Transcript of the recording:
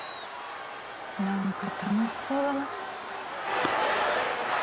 なんか楽しそうだな。